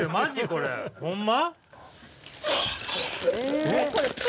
これホンマ？